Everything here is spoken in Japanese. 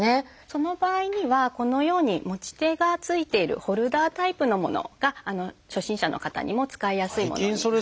その場合にはこのように持ち手がついているホルダータイプのものが初心者の方にも使いやすいものになっています。